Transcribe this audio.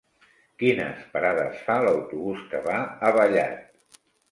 Quines parades fa l'autobús que va a Vallat?